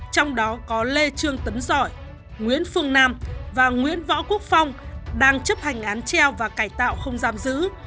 trong đó có lê trương tấn dọi nguyễn phương nam và nguyễn võ quốc phong đang chấp hành án treo và cải tạo không giam giữ